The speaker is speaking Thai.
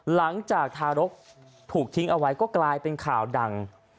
หลังจากทารกถูกทิ้งเอาไว้ก็กลายเป็นข่าวดัง